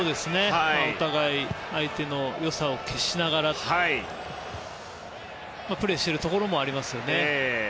お互い、相手の良さを消しながらプレーしているところもありますよね。